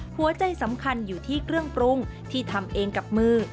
หัวใจสำคัญอยู่ที่เครื่องปรุงที่ทำเองกับมือ